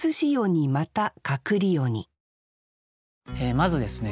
まずですね